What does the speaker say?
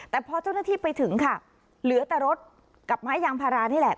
แต่พอเจ้าหน้าที่ไปถึงค่ะเหลือแต่รถกับไม้ยางพารานี่แหละ